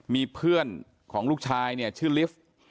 มีเพื่อนของลูกชายเนี่ยชื่อลิฟต์